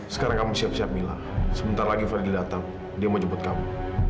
sekarang kamu siap siap bilang sebentar lagi freddy datang dia mau jemput kamu